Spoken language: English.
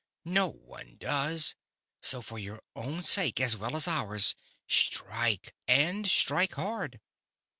No one does. So for your own sake, as well as ours, strike, and strike hard."